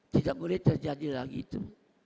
tidak boleh terjadi lagi itu